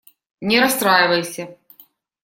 Не расстраивайся.